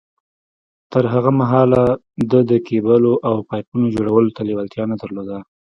تر هغه مهاله ده د کېبلو او پايپونو جوړولو ته لېوالتيا نه درلوده.